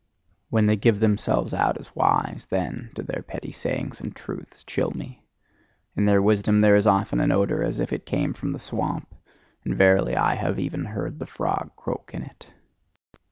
When they give themselves out as wise, then do their petty sayings and truths chill me: in their wisdom there is often an odour as if it came from the swamp; and verily, I have even heard the frog croak in it!